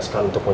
bukan sama petir